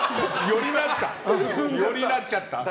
よりなっちゃった。